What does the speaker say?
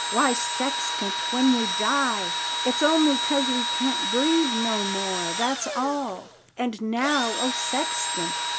Why Sextant when we dye Its only coz we cant brethe no more that's all. And now O Sextant?